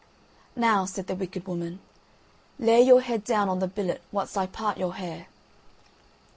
"Now," said the wicked woman, "lay your head down on the billet whilst I part your hair."